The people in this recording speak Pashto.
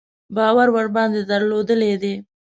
باور ورباندې درلودلی دی.